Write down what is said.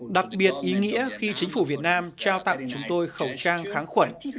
đặc biệt ý nghĩa khi chính phủ việt nam trao tặng chúng tôi khẩu trang kháng khuẩn